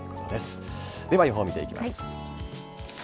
では、予報見ていきます。